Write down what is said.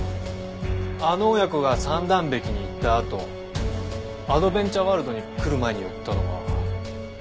あの親子が三段壁に行ったあとアドベンチャーワールドに来る前に寄ったのは。